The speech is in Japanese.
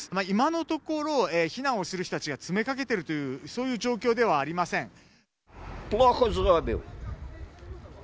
今のところ避難をする人たちが詰めかけているというそういう状況ではありません。